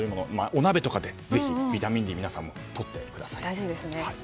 お鍋とかでぜひ、ビタミンＤ皆さんもとってください。